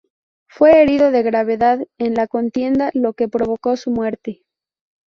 Fue herido de gravedad en la contienda, lo que provocó su muerte.